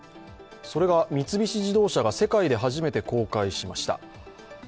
それが三菱自動車が世界で初めて公開しました